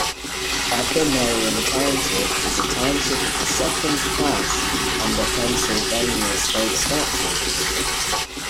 Upper Merion Township is a township of the second class under Pennsylvania state statutes.